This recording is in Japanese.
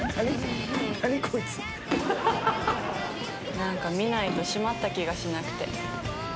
何か見ないと締まった気がしなくて。